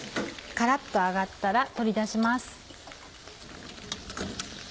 カラっと揚がったら取り出します。